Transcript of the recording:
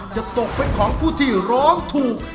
จะตกเป็นของผู้ที่ร้องถูก